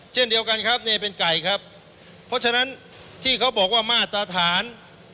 เช่นเดียวกันครับนี่เป็นไก่ครับเพราะฉะนั้นที่เขาบอกว่ามาตรฐาน